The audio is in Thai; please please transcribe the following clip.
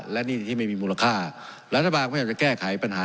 และหนี้ที่ไม่มีมูลค่ารัฐบาลก็อยากจะแก้ไขปัญหา